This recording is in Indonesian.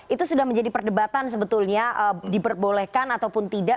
itu sudah menjadi perdebatan sebetulnya diperbolehkan ataupun tidak